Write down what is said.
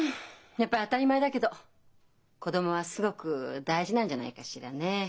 やっぱり当たり前だけど子供はすごく大事なんじゃないかしらね。